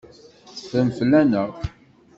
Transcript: Teffrem fell-aneɣ.